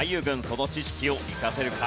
その知識を生かせるか？